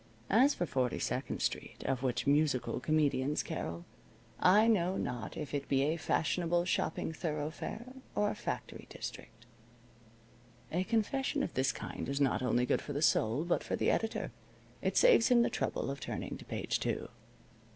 As for Forty second Street, of which musical comedians carol, I know not if it be a fashionable shopping thoroughfare or a factory district. A confession of this kind is not only good for the soul, but for the editor. It saves him the trouble of turning to page two.